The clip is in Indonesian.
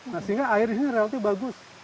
nah sehingga air di sini relatif bagus